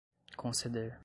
conceder